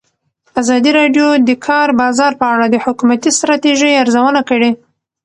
ازادي راډیو د د کار بازار په اړه د حکومتي ستراتیژۍ ارزونه کړې.